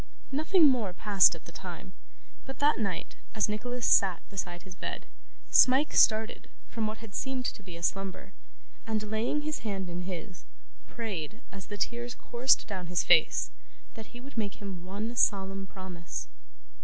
Nothing more passed at the time, but that night, as Nicholas sat beside his bed, Smike started from what had seemed to be a slumber, and laying his hand in his, prayed, as the tears coursed down his face, that he would make him one solemn promise.